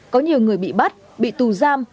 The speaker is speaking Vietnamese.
có nhiều người bị bắt bị tù giam